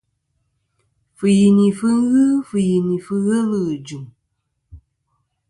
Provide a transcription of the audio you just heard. Fɨyinifɨ ghɨ fɨyinìfɨ ghelɨ ghɨ jɨ̀m.